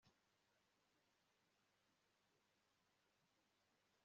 azakuvuma mu majya no mu mazamuka